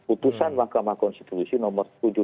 putusan mahkamah konstitusi nomor tujuh puluh tiga